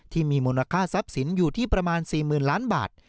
ที่มีมูลค่าทรัพย์สินอยู่ที่ประมาณ๔๐๐๐ล้านบาท